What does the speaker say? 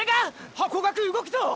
ハコガク動くぞ！